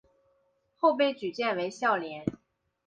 后被举荐为孝廉。